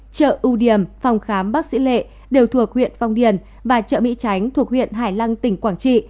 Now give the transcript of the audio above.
chợ ưu điểm phòng khám bác sĩ lệ đều thuộc huyện phong điền và chợ mỹ tránh thuộc huyện hải lăng tỉnh quảng trị